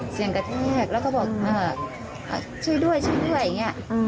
เสียงกระแทกแล้วก็บอกช่วยด้วยช่วยด้วยอย่างนี้